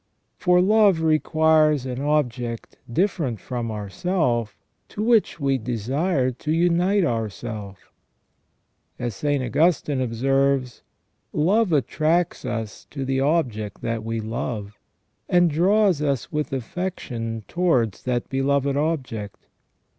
For love requires an object different from ourself to which we desire to unite ourself. As St. Augustine observes, love attracts us to the object that we love, and draws us with affection towards that beloved object.